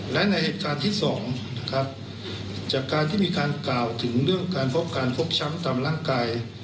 และในเหตุการณ์ที่สองนะครับจากการที่มีการกล่าวถึงเรื่องการพบการฟกช้ำตามร่างกาย